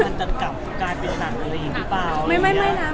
มันจะกลับกลายเป็นสถานการณ์อื่นหรือเปล่า